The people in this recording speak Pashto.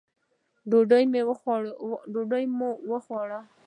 ډوډۍ مو وخوړه.